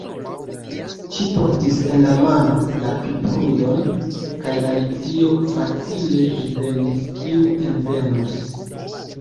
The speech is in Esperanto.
Ŝi portis en la mano la piprujon, kaj Alicio facile divenis kiu envenos.